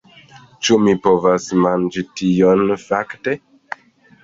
Ĉu mi povas manĝi tion, fakte?